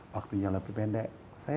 waktunya lebih pendek